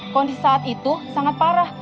kondisi saat itu sangat parah